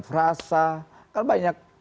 frasa kan banyak